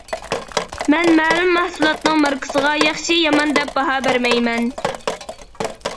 مەن مەلۇم مەھسۇلاتنىڭ ماركىسىغا ياخشى يامان دەپ باھا بەرمەيمەن.